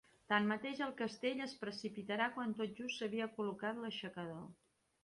Tanmateix el castell es precipità quan tot just s'havia col·locat l'aixecador.